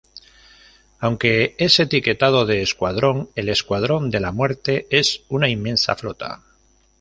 Aunque es etiquetado de escuadrón, el Escuadrón de la Muerte es una inmensa flota.